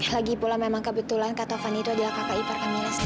lagipula memang kebetulan kak tovan itu adalah kakak ipar kamilah sendiri